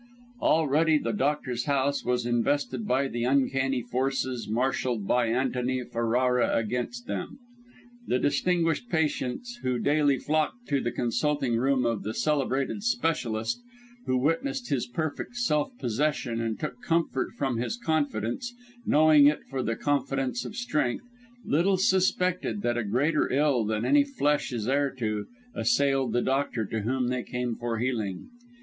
Already the doctor's house was invested by the uncanny forces marshalled by Antony Ferrara against them. The distinguished patients, who daily flocked to the consulting room of the celebrated specialist, who witnessed his perfect self possession and took comfort from his confidence, knowing it for the confidence of strength, little suspected that a greater ill than any flesh is heir to, assailed the doctor to whom they came for healing.